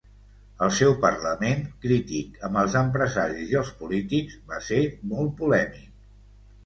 El seu parlament, crític amb els empresaris i els polítics, va ser molt polèmic.